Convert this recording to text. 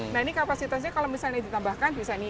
nah ini kapasitasnya kalau misalnya ditambahkan bisa nih